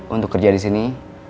untuk kerja disini